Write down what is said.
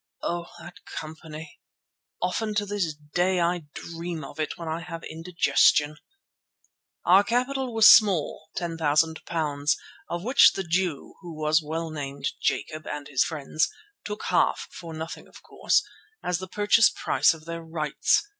Oh! that company! Often to this day I dream of it when I have indigestion. Our capital was small, £10,000, of which the Jew, who was well named Jacob, and his friends, took half (for nothing of course) as the purchase price of their rights.